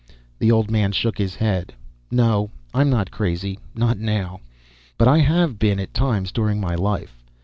The old man shook his head. "No, I'm not crazy. Not now. But I have been, at times, during my life.